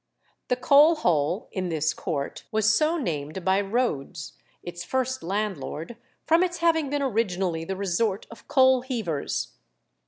The Coal Hole, in this court, was so named by Rhodes, its first landlord, from its having been originally the resort of coal heavers.